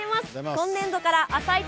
今年度から「あさイチ」